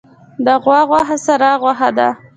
د غوا غوښه سره غوښه ده